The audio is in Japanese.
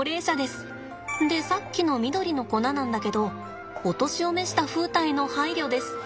でさっきの緑の粉なんだけどお年を召した風太への配慮です。